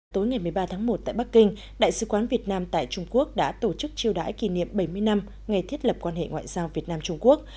tối ngày một mươi ba tháng một tại bắc kinh đại sứ quán việt nam tại trung quốc đã tổ chức chiêu đải kỷ niệm bảy mươi năm ngày thiết lập quan hệ ngoại giao việt nam trung quốc